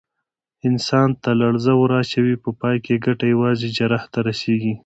انسان ته لړزه ور اچوي، په پای کې یې ګټه یوازې جراح ته رسېږي.